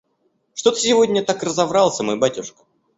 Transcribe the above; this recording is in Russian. Что ты сегодня так разоврался, мой батюшка?